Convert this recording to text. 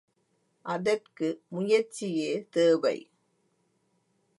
அதற்கு முயற்சியே தேவை.